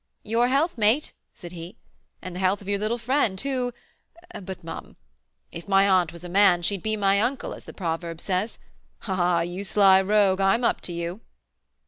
"Your health, mate," said he, "and the health of your little friend, who but mum. 'If my aunt was a man, she'd be my uncle,' as the proverb says. Ah! you sly rogue, I'm up to you!"